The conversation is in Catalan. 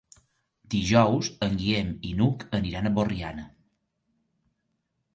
Dijous en Guillem i n'Hug aniran a Borriana.